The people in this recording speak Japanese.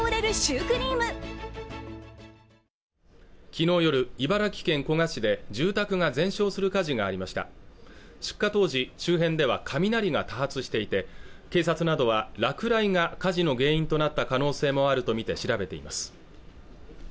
昨日夜、茨城県古河市で住宅が全焼する火事がありました出火当時周辺では雷が多発していて警察などは落雷が火事の原因となった可能性もあるとみて調べています